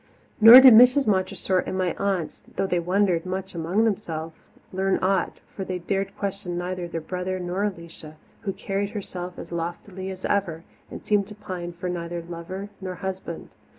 Nor did Mrs. Montressor and my aunts, though they wondered much among themselves, learn aught, for they dared question neither their brother nor Alicia, who carried herself as loftily as ever, and seemed to pine for neither lover nor husband.